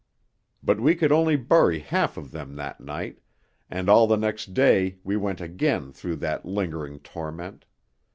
But we could only bury half of them that night, and all the next day we went again through that lingering torment.